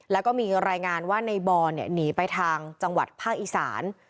แล้วก็มีรายงานว่าในบอลหนีไปทางจังหวัดภาคอีสาน